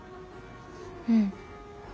うん。